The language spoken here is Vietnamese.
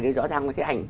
rõ ràng là cái ảnh